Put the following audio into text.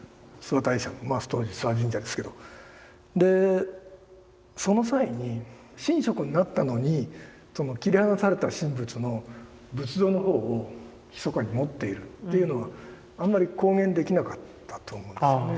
諏訪大社のまあ当時諏訪神社ですけどでその際に神職になったのに切り離された神仏の仏像の方をひそかに持っているっていうのはあんまり公言できなかったと思うんですよね。